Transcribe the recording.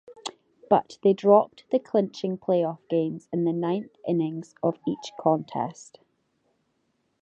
But they dropped the clinching playoff games in the ninth innings of each contest.